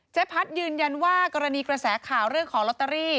พัฒน์ยืนยันว่ากรณีกระแสข่าวเรื่องของลอตเตอรี่